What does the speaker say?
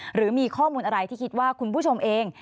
หรือมีข้อมูลอะไรที่คิดว่าคุณผู้ชมเอง